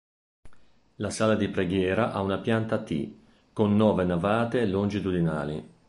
La sala di preghiera ha una pianta a T, con nove navate longitudinali.